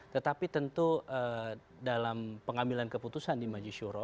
tetapi tentu dalam pengambilan keputusan di majisyuro